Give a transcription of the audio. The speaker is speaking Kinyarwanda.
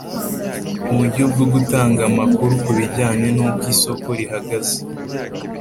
uburyo bwo gutanga amakuru ku bijyanye n'uko isoko rihagaze